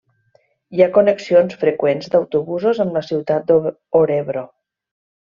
Hi ha connexions freqüents d'autobusos amb la ciutat d'Örebro.